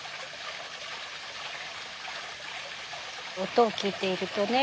音を聞いているとね